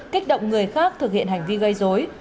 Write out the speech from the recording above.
kích động người khác thực hiện hành vi gây dối